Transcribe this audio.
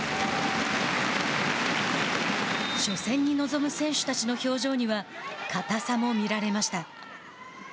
初戦に臨む選手たちの表情には硬さも見られました。